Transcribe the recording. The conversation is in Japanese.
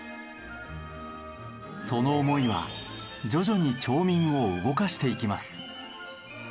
その思いは徐々に町民を動かしていきます。